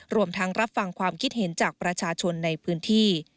รวมทั้งรับฟังความคิดเห็นจากประชาชนในพื้นที่